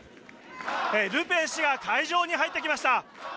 ルペン氏が会場に入ってきました。